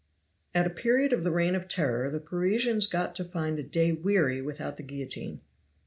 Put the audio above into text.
At a period of the Reign of Terror the Parisians got to find a day weary without the guillotine.